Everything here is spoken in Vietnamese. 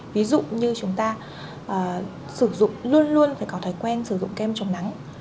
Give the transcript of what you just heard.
ví dụ như chúng ta sử dụng luôn luôn phải có thói quen sử dụng kem chống nắng